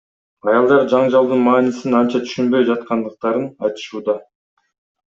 Аялдар жаңжалдын маанисин анча түшүнбөй жаткандыктарын айтышууда.